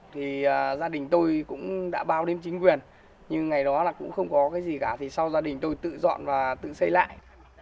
thì gia đình tôi cũng đã bao đến chính quyền nhưng ngày đó là cũng không có cái gì cả thì sau gia đình tôi tự dọn và tự xây lại